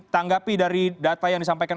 tanggapi dari data yang disampaikan